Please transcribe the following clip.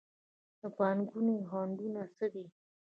د پانګونې خنډونه څه دي؟